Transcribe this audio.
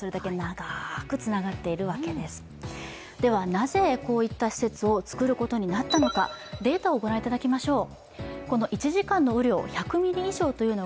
なぜこういった施設を造ることになったのかデータを御覧いただきましょう。